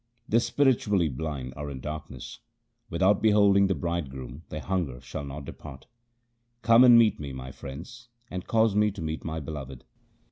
The spiritually blind are in darkness ; without beholding the Bridegroom their hunger shall not depart. Come and meet me, my friends, and cause me to meet my Beloved.